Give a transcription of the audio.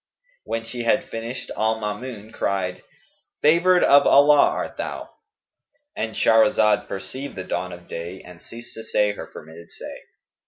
When she had finished, al Maamun cried, "favoured of Allah art thou!"—And Shahrazad perceived the dawn of day and ceased to say her permitted say.